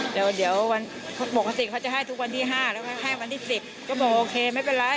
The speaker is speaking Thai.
เดี๋ยววันปกติเขาจะให้ทุกวันที่๕แล้วก็ให้วันที่๑๐ก็บอกโอเคไม่เป็นไร